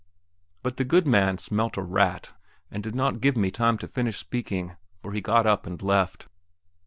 But the good man smelt a rat, and did not give me time to finish speaking, for he got up and left.